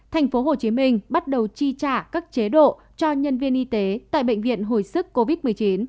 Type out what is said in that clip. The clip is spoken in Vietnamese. tp hcm bắt đầu chi trả các chế độ cho nhân viên y tế tại bệnh viện hồi sức covid một mươi chín